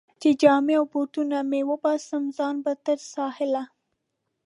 چې جامې او بوټونه به وباسم، ځان به تر ساحله.